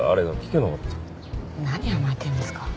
何甘えてんですか。